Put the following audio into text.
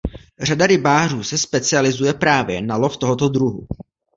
Řada rybářů se specializuje právě na lov tohoto druhu.